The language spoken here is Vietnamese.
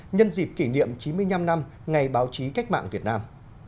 nhân dịp kỷ niệm chín mươi năm năm ngày báo chí cách mạng việt nam